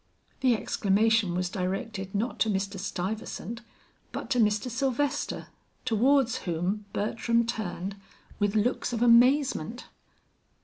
The exclamation was directed not to Mr. Stuyvesant but to Mr. Sylvester, towards whom Bertram turned with looks of amazement.